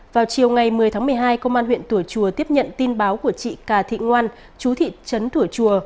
vào chiều ngày một mươi tháng một mươi hai công an huyện tùa chùa tiếp nhận tin báo của chị cà thị ngoan chú thị trấn thủa chùa